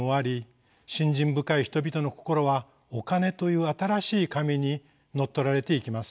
人々の心はお金という新しい神に乗っ取られていきます。